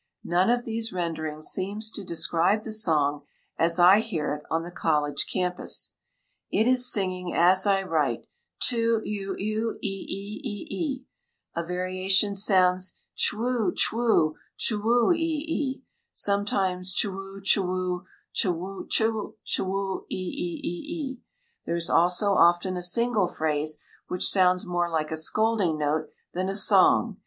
None of these renderings seems to describe the song as I hear it on the college campus. It is singing as I write: "Tu euu euu e e e e e!" A variation sounds, "C'weu, c'weu, c'wee e e e;" sometimes "c'weu, c'weu, c'w', c'w', c'wee ee e e e." There is also often a single phrase which sounds more like a scolding note than a song.